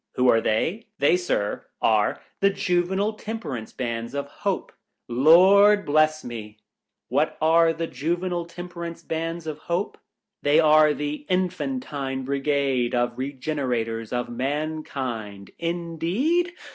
Who are they ?— They, Sir, are the Juvenile Temperance Bands of Hope. — Lord bless me ! What are the Juvenile Temperance Bands of Hope 1 — They are the Infantine Brigade of Regenerators of Man kind.— Indeed